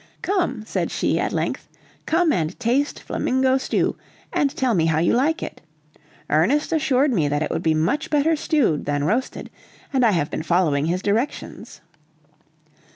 "Come," said she at length, "come and taste flamingo stew, and tell me how you like it. Ernest assured me that it would be much better stewed than roasted, and I have been following his directions."